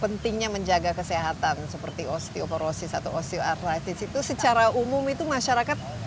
pentingnya menjaga kesehatan seperti osteoporosis atau osioartritis itu secara umum itu masyarakat